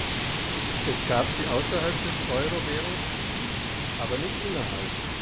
Es gab sie außerhalb des Euro-Währungsgebiets, aber nicht innerhalb.